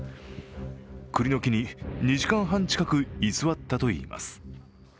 くりの木に２時間半近く居座ったといいます。